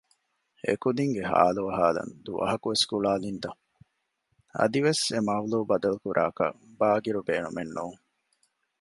އެކުދިންގެ ޙާލު އަހާލަން ދުވަހަކުވެސް ގުޅާލިންތަ؟ އަދިވެސް އެ މަޥްޟޫޢު ބަދަލުކުރާކަށް ބާޤިރު ބޭނުމެއް ނޫން